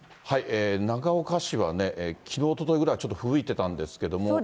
長岡市は、きのう、おとといぐらいはちょっとふぶいていたんですけども。